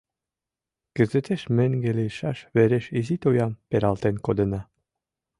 Кызытеш меҥге лийшаш вереш изи тоям пералтен кодена.